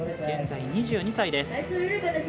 現在２２歳です。